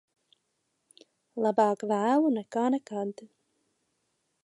Labāk vēlu nekā nekad.